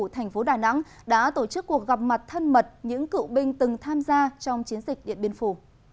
thành phố đà nẵng đã tổ chức cuộc gặp mặt thân mật những cựu binh từng tham gia trong chiến dịch điện biên phủ